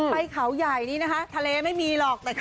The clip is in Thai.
ไปเขาใหญ่นี่นะคะทะเลไม่มีหรอกแต่ก็นี่